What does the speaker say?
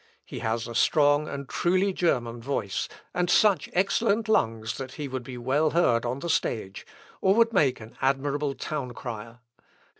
He has a strong and truly German voice, and such excellent lungs that he would be well heard on the stage, or would make an admirable town crier.